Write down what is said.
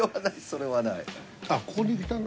それはない。